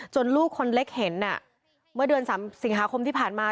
ลูกคนเล็กเห็นเมื่อเดือน๓สิงหาคมที่ผ่านมา